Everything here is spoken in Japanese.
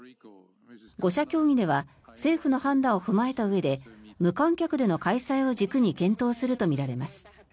５者協議では政府の判断を踏まえたうえで無観客での開催を軸に検討するとみられます。